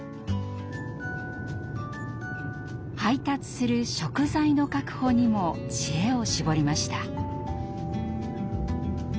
配達する食材の確保にも知恵を絞りました。